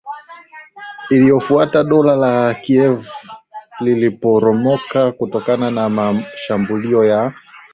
iliyofuataDola la Kiev liliporomoka kutokana na mashambulio ya